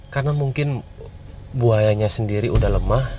karena mungkin buah ayahnya sendiri udah lemah